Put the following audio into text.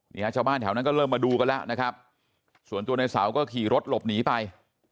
ชาวบ้านแถวนั้นก็เริ่มมาดูกันแล้วนะครับส่วนตัวในเสาก็ขี่รถหลบหนีไป